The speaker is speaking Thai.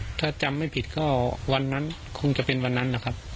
ถ้าจำไม่ผิดก็วันนั้นคงจะเป็นวันนั้นนะครับ